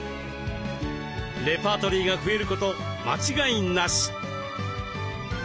レパートリーが増えること間違いなし！